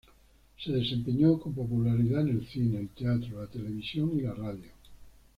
Se desempeñó con popularidad en el cine, el teatro, la televisión y la radio.